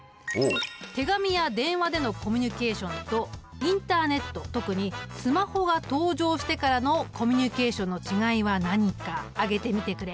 手紙や電話でのコミュニケーションとインターネット特にスマホが登場してからのコミュニケーションの違いは何か挙げてみてくれ。